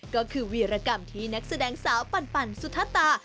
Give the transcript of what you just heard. ก็คือวีรกรรมที่นักแสดงสาวปั่นสุธตา